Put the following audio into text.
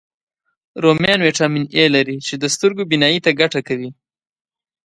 رومیان ویټامین A لري، چې د سترګو بینایي ته ګټه کوي